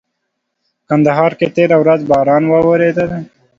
کندهار کي تيره ورځ باران ووريدلي.